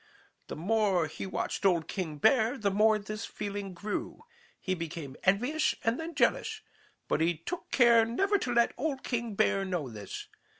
The more he watched old King Bear, the more this feeling grew. He became envious and then jealous. But he took care never to let old King Bear know this.